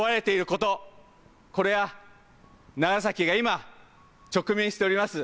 これは長崎が今、直面しております